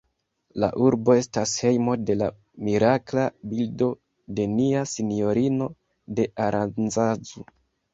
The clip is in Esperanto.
La urbo estas hejmo de la mirakla bildo de Nia Sinjorino de Aranzazu.